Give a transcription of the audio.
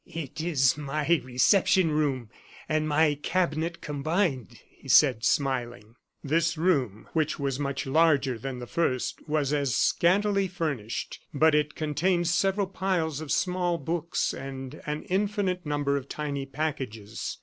"It is my reception room and my cabinet combined," he said, smiling. This room, which was much larger than the first, was as scantily furnished; but it contained several piles of small books and an infinite number of tiny packages.